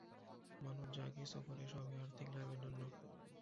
মানুষ যা কিছু করে সবই আর্থিক লাভের জন্য।